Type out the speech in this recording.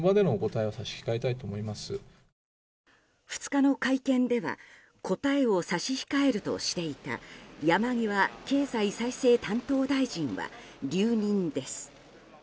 ２日の会見では答えを差し控えるとしていた山際経済再生担当大臣は留任です。